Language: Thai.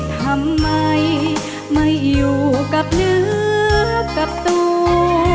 ทำไมไม่อยู่กับเนื้อกับตัว